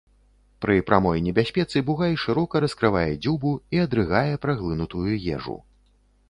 Пры прамой небяспецы бугай шырока раскрывае дзюбу і адрыгае праглынутую ежу.